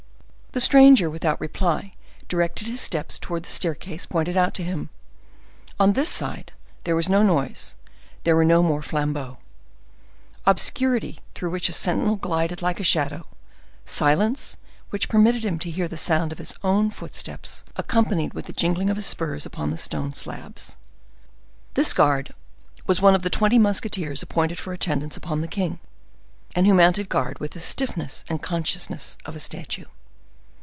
The stranger, without reply, directed his steps towards the staircase pointed out to him. On this side there was no noise, there were no more flambeaux. Obscurity, through which a sentinel glided like a shadow; silence, which permitted him to hear the sound of his own footsteps, accompanied with the jingling of his spurs upon the stone slabs. This guard was one of the twenty musketeers appointed for attendance upon the king, and who mounted guard with the stiffness and consciousness of a statue.